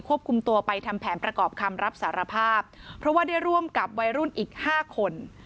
คุมตัวไปทำแผนประกอบคำรับสารภาพเพราะว่าได้ร่วมกับวัยรุ่นอีกห้าคน